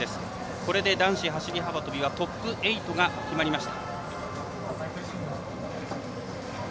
これで男子走り幅跳びトップ８が決まりました。